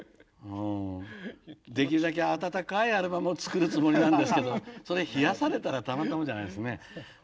できるだけ温かいアルバムを作るつもりなんですけどそれ冷やされたらたまったもんじゃないですね。